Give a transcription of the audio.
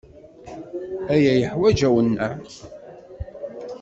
Aya yeḥwaǧ awenneɛ.